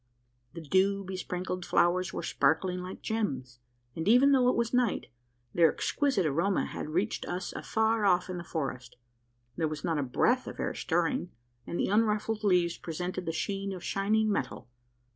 The dew besprinkled flowers were sparkling like gems; and, even though it was night, their exquisite aroma had reached us afar off in the forest. There was not a breath of air stirring; and the unruffled leaves presented the sheen of shining metal.